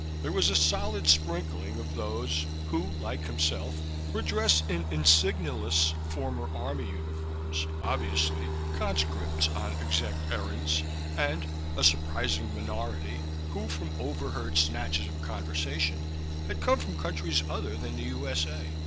There was a solid sprinkling of those who, like himself, were dressed in insigneless former Army uniforms obviously conscripts on Exec errands and a surprising minority who, from overheard snatches of conversation, had come from countries other than the U.S.A.